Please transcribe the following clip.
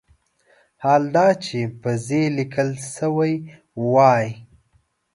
حال دا چې په "ز" لیکل شوی وای.